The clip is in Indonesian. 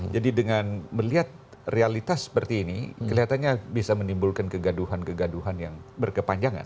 jadi dengan melihat realitas seperti ini kelihatannya bisa menimbulkan kegaduhan kegaduhan yang berkepanjangan